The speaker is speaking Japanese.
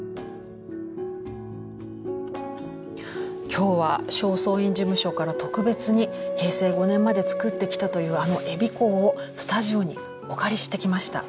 今日は正倉院事務所から特別に平成５年まで作ってきたというあの「衣香」をスタジオにお借りしてきました。